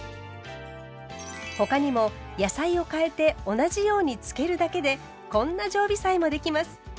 他にも野菜を変えて同じようにつけるだけでこんな常備菜もできます。